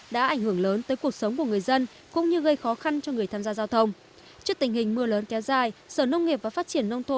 đã ảnh hưởng lớn tới cuộc sống của người dân cũng như gây khó khăn cho người tham gia giao thông